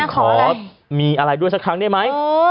ขอมีอะไรด้วยสักครั้งได้ไหม